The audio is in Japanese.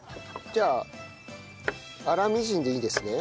じゃあ粗みじんでいいですね？